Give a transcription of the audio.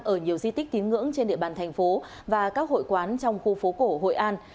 ở nhiều di tích tín ngưỡng trên địa bàn thành phố và các hội quán trong khu phố cổ hội an